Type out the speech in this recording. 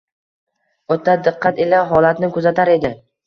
o‘ta diqqat ila holatni kuzatar edi.